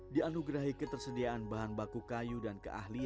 dianugerahi ketersediaan bahan baku kayu dan keahlian